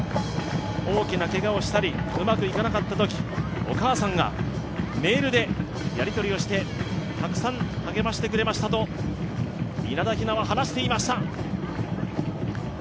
大きなけがをしたり、うまくいかなかったときお母さんがメールでやりとりをして、たくさん励ましてくれましたと稲田雛は話していました。